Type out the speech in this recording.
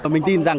mình tin rằng